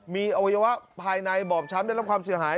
มีอวัยวะภายในบอบช้ำได้รับความเสียหาย